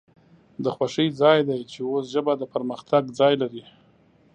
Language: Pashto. د خوښۍ ځای د چې اوس ژبه د پرمختګ ځای لري